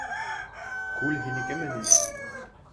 Күл һинекеме ни?!